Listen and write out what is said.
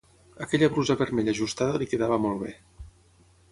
Aquella brusa vermella ajustada li quedava molt bé